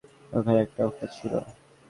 ওখানে একটা অফার ছিলো।